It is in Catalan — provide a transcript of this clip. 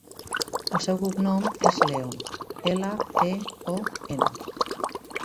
El seu cognom és Leon: ela, e, o, ena.